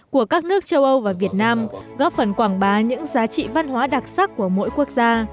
của các nước châu âu và việt nam góp phần quảng bá những giá trị văn hóa đặc sắc của mỗi quốc gia